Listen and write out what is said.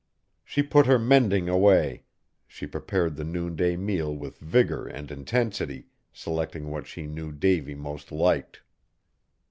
She put her mending away; she prepared the noonday meal with vigor and intensity, selecting what she knew Davy most liked.